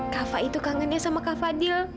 kava itu kangen ya sama kava dil